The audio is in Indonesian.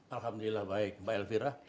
alhamdulillah baik mbak elvira